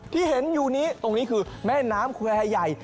ที่เห็นอยู่นี้ตรงนี้คือแม่น้ำแควร์ใหญ่